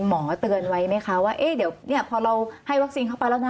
หมอเตือนไว้ไหมคะว่าพอเราให้วัคซีนเข้าไปแล้วนะ